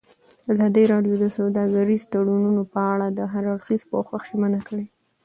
ازادي راډیو د سوداګریز تړونونه په اړه د هر اړخیز پوښښ ژمنه کړې.